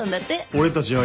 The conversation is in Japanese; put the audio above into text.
俺たち会